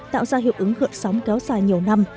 tạo ra hiệu ứng gợn sóng kéo dài nhiều năm